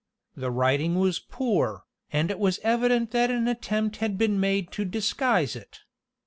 The writing was poor, and it was evident that an attempt had been made to disguise it.